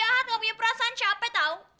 jahat gak punya perasaan capek tau